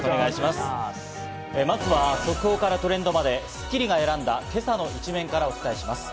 まずは速報からトレンドまで『スッキリ』が選んだ今朝の一面からお伝えします。